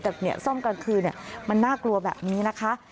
แต่เนี่ยซ่อมกลางคืนเนี่ยมันน่ากลัวแบบนี้นะคะ